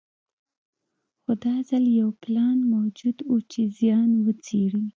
خو دا ځل یو پلان موجود و چې زیان وڅېړي.